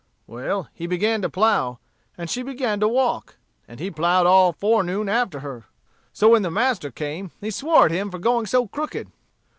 Well, he began to plough, and she began to walk; and he ploughed all forenoon after her. So when the master came, he swore at him for going so crooked.